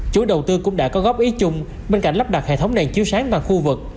chủ đầu tư cũng đã có góp ý chung bên cạnh lắp đặt hệ thống đèn chiếu sáng bằng khu vực